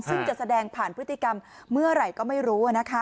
ซึ่งจะแสดงผ่านพฤติกรรมเมื่อไหร่ก็ไม่รู้